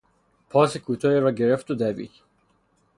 پاس کوتاهی را گرفت و دوید.